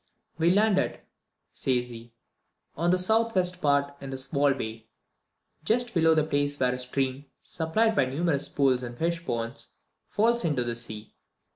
"We landed," says he, "on the south west part in a small bay, just below the place where a stream, supplied by numerous pools and fish ponds, falls into the sea.